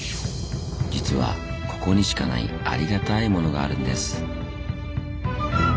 実はここにしかないありがたいものがあるんです。